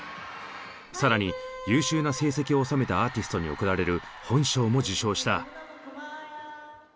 更に優秀な成績を収めたアーティストに贈られる本賞も受賞した。